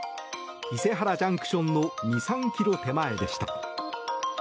伊勢原ＪＣＴの２３ｋｍ手前でした。